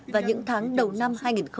và những tháng đầu năm hai nghìn hai mươi